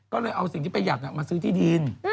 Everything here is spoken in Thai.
ก็เลยเอาสิ่งที่ประหยัดมาซื้อที่ดิน